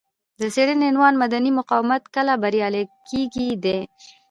د څېړنې عنوان مدني مقاومت کله بریالی کیږي دی.